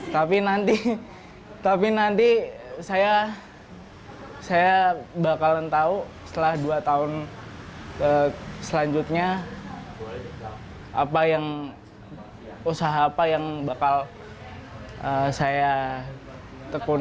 tapi nanti saya bakalan tahu setelah dua tahun selanjutnya usaha apa yang bakal saya tekuni